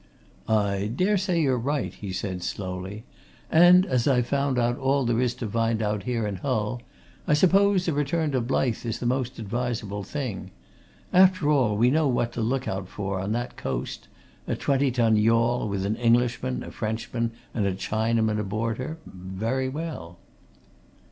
"I dare say you're right," he said slowly. "And as I've found out all there is to find out here in Hull, I suppose a return to Blyth is the most advisable thing. After all, we know what to look out for on that coast a twenty ton yawl, with an Englishman, a Frenchman, and a Chinaman aboard her. Very well."